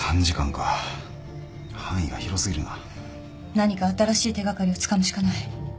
何か新しい手掛かりをつかむしかない。